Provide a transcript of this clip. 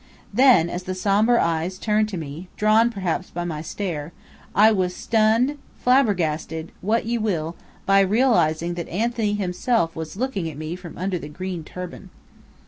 Then, as the sombre eyes turned to me, drawn perhaps by my stare, I was stunned, flabbergasted, what you will, by realizing that Anthony himself was looking at me from under the green turban.